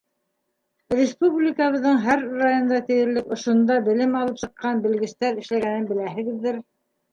Республикабыҙҙың һәр районында тиерлек ошонда белем алып сыҡҡан белгестәр эшләгәнен беләһегеҙҙер.